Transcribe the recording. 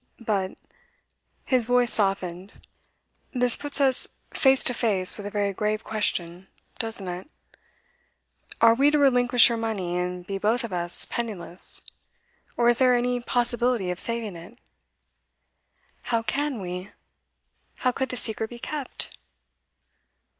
But,' his voice softened, 'this puts us face to face with a very grave question; doesn't it? Are we to relinquish your money, and be both of us penniless? Or is there any possibility of saving it?' 'How can we? How could the secret be kept?